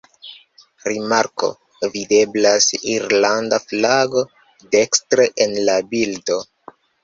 Rimarko: Videblas irlanda flago dekstre en la bildo.